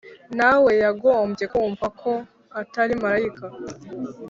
na we yagombye kumva ko atari marayika,